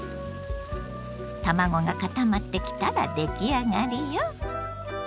卵が固まってきたら出来上がりよ。